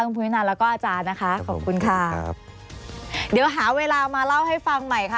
คุณภูมินันแล้วก็อาจารย์นะคะขอบคุณค่ะครับเดี๋ยวหาเวลามาเล่าให้ฟังใหม่ค่ะ